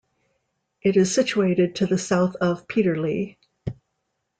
It is situated to the south of Peterlee.